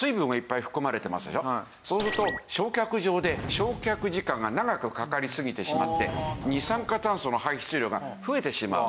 そうすると焼却場で焼却時間が長くかかりすぎてしまって二酸化炭素の排出量が増えてしまう。